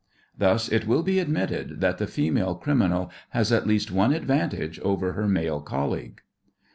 Thus, it will be admitted that the female criminal has at least one advantage over her male colleague.